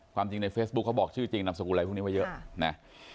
ความจริงในเฟซบุ๊คเขาบอกชื่อจริงนามสกุลอะไรพวกนี้ไว้เยอะนะ